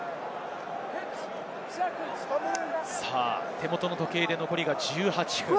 手元の時計で残り１８分。